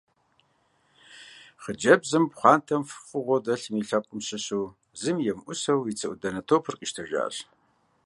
Хъыджэбзым пхъуантэм фӀыгъуэу дэлъым и лъэпкъым щыщу зыми емыӀусэу и цы Ӏуданэ топыр къищтэжащ.